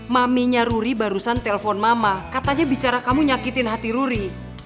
maminya ruri barusan telpon mama katanya bicara kamu nyakitin hati ruri